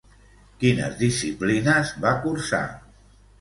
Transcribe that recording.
Quines disciplines va cursar?